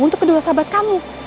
untuk kedua sahabat kamu